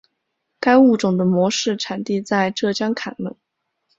该物种的模式产地在浙江坎门。